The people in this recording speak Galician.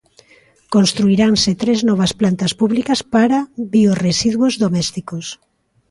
Construiranse tres novas plantas públicas para biorresiduos domésticos.